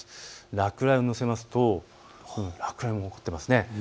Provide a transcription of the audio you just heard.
落雷をのせますと落雷も起こっていますね。